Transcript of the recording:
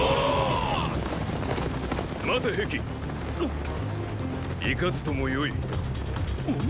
っ⁉行かずともよい。